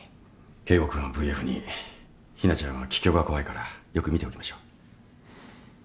圭吾君はＶＦに日菜ちゃんは気胸が怖いからよく見ておきましょう。